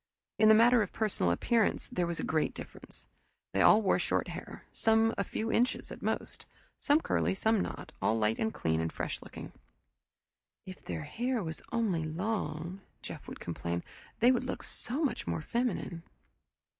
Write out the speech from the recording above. In the matter of personal appearance, there was a great difference. They all wore short hair, some few inches at most; some curly, some not; all light and clean and fresh looking. "If their hair was only long," Jeff would complain, "they would look so much more feminine."